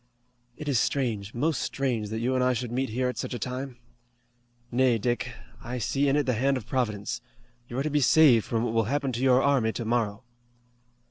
"It is strange, most strange, that you and I should meet here at such a time. Nay, Dick, I see in it the hand of Providence. You're to be saved from what will happen to your army tomorrow."